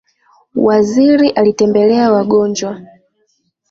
Waziri alitembelea wagonjwa